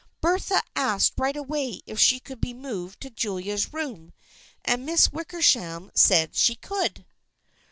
Bertha asked right away if she could be moved to Julia's room, and Miss Wickersham said she could."